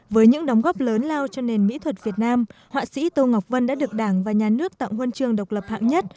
với những đóng góp lớn lao cho nền mỹ thuật việt nam họa sĩ tô ngọc vân đã được đảng và nhà nước tặng huân trường độc lập hạng nhất